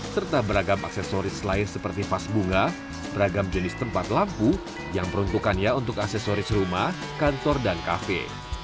serta beragam aksesoris lain seperti vas bunga beragam jenis tempat lampu yang peruntukannya untuk aksesoris rumah kantor dan kafe